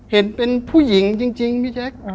เห็นเป็นผู้หญิงจริงพี่แจ๊ค